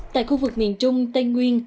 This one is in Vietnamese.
tại khu vực miền trung tây nguyên